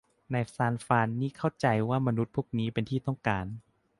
ในซานฟรานนี่เข้าใจว่ามนุษย์พวกนี้เป็นที่ต้องการ